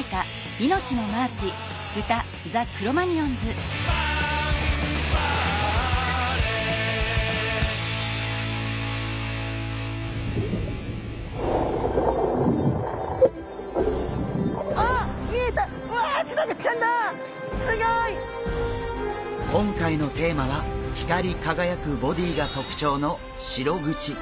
今回のテーマは光り輝くボディーが特徴のシログチ。